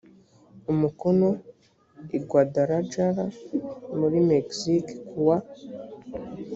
umukono i guadalajara muri mexique kuwa